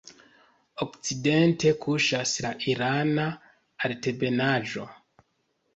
Okcidente kuŝas la Irana Altebenaĵo.